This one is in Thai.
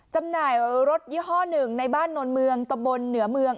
จำหน่ายรถยี่ห้อหนึ่งในบ้านนวลเมืองตะบนเหนือเมือง